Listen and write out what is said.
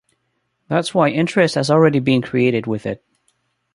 That’s why interest has already been created with it.